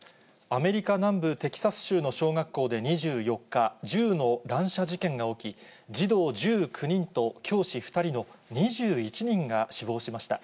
アメリカ南部テキサス州の小学校で２４日、銃の乱射事件が起き、児童１９人と教師２人の２１人が死亡しました。